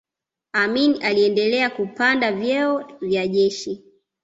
amin aliendelea kupanda vyeo vya jeshi